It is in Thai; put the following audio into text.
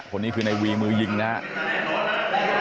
คนนี้คือในวีมือยิงนะครับ